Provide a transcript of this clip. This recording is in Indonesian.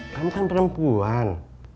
kamu kan perempuan